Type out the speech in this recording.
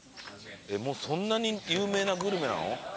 そんなに有名なグルメなの？